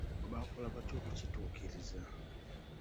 Baakola baatya okukituukiriza?